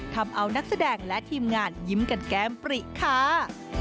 ทำเอานักแสดงและทีมงานยิ้มกันแก้มปริค่ะ